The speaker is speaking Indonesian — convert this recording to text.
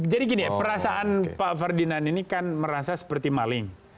jadi gini ya perasaan pak fardinan ini kan merasa seperti maling